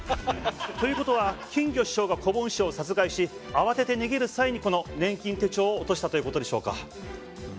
という事は金魚師匠がこぼん師匠を殺害し慌てて逃げる際にこの年金手帳を落としたという事でしょうか？